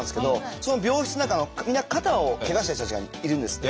その病室の中みんな肩をけがした人たちがいるんですって。